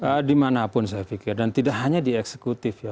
karena dimanapun saya pikir dan tidak hanya di eksekutif ya